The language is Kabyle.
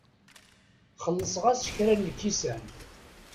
Xellṣeɣ-as kra n lkisan.